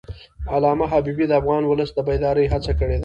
علامه حبیبي د افغان ولس د بیدارۍ هڅه کړې ده.